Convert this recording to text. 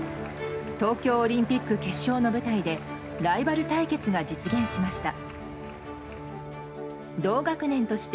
東京オリンピック決勝の舞台でライバル対決が実現しました。